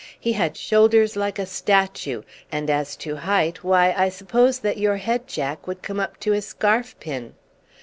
He had shoulders like a statue, and as to height, why, I suppose that your head, Jack, would come up to his scarf pin."